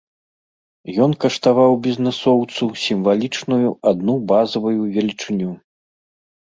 Ён каштаваў бізнэсоўцу сімвалічную адну базавую велічыню.